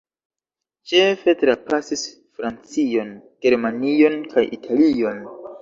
Ĉefe trapasis Francion, Germanion kaj Italion.